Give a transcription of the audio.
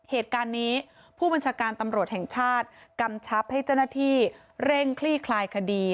เหตุการณ์นี้ผู้บัญชาการตำรวจแห่งชาติกำชับให้เจ้าหน้าที่เร่งคลี่คลายคดี